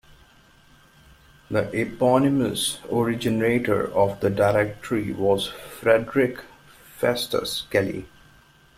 The eponymous originator of the directory was Frederic Festus Kelly.